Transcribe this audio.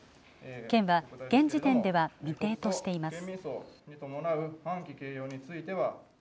県は、現時点では未定としています。